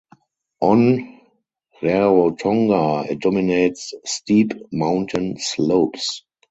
On Rarotonga it dominates steep mountain slopes.